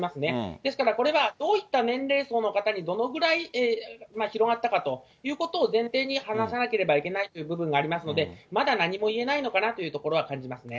ですからこれはどういった年齢層の方にどのぐらい広がったかということを前提に話さなければいけないという部分がありますので、まだ何も言えないのかなというところは感じますね。